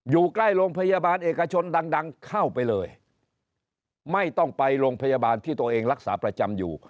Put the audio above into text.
อยู่ใกล้โรงพยาบาลเอกชนดังดังเข้าไปเลยไม่ต้องไปโรงพยาบาลที่ตัวเองรักษาประจำอยู่